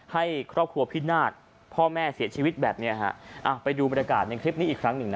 มาบอกว่าเธอไปบอกใครเขาจะเชื่อเธอเธอไม่มีคลิป